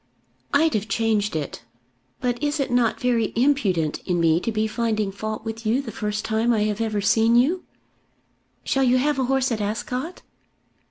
"I'd have changed it. But is it not very impudent in me to be finding fault with you the first time I have ever seen you? Shall you have a horse at Ascot?"